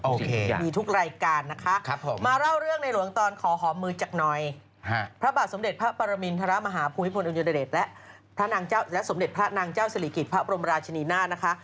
โอเคมีทุกรายการนะคะมาเล่าเรื่องในหลวงตอนขอหอมมือจากหน่อยพระบาทสมเด็จพระปรมินทรมาฮาภูมิพลอดุญเดชและพระนางเจ้าและสมเด็จพระนางเจ้าศิริกิจพระบรมราชนีนาฏนะคะ